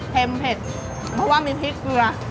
เผ็ดเพราะว่ามีพริกเกลือ